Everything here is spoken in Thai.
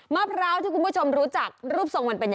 มะพร้าวที่คุณผู้ชมรู้จักรูปทรงมันเป็นยังไง